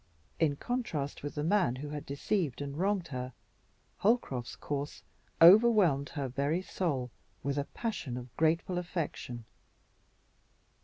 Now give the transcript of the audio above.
In contrast with the man who had deceived and wronged her, Holcroft's course overwhelmed her very soul with a passion of grateful affection.